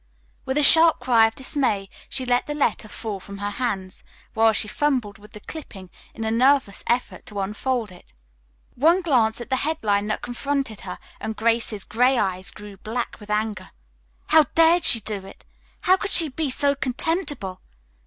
With a sharp cry of dismay, she let the letter fall from her hands, while she fumbled with the clipping in a nervous effort to unfold it. One glance at the headline that confronted her and Grace's gray eyes grew black with anger. "How dared she do it! How could she be so contemptible!"